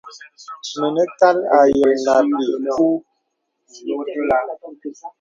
Mənə kàl àyə̀l nà ābi kū.